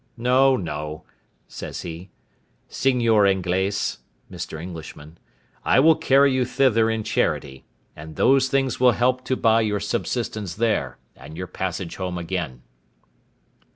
No, no," says he: "Seignior Inglese" (Mr. Englishman), "I will carry you thither in charity, and those things will help to buy your subsistence there, and your passage home again."